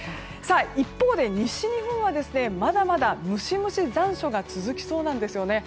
一方で、西日本はまだまだムシムシで残暑が続きそうなんです。